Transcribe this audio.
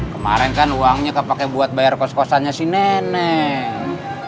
kemarin kan uangnya buat bayar kos kosannya si nenek